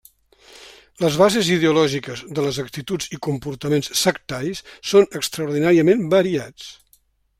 Les bases ideològiques de les actituds i comportaments sectaris són extraordinàriament variats.